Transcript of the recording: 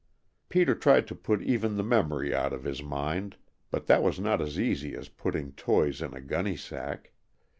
Peter tried to put even the memory out of his mind, but that was not as easy as putting toys in a gunny sack.